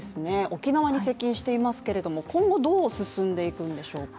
沖縄に接近していますけど、今後、どう進んでいくんでしょうか？